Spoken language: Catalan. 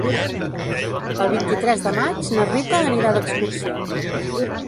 El vint-i-tres de maig na Rita anirà d'excursió.